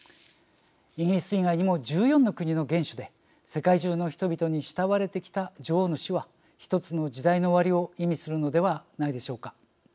イギリス以外にも１４の国の元首で世界中の人々に慕われてきた女王の死は１つの時代の終わりを意味するのではないでしょうか。